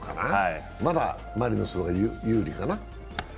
まだマリノスは有利かな。